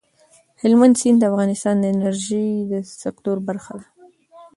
هلمند سیند د افغانستان د انرژۍ د سکتور برخه ده.